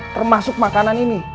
termasuk makanan ini